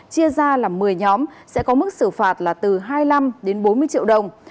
chia ra là một mươi nhóm sẽ có mức xử phạt là từ hai mươi năm đến bốn mươi triệu đồng